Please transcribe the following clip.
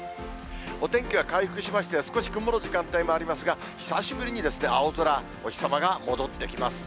お天気は回復しまして、少し曇る時間帯もありますが、久しぶりに青空、お日さまが戻ってきます。